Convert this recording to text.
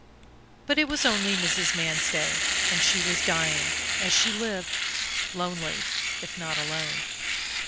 But it was only Mrs. Manstey; and she was dying, as she had lived, lonely if not alone.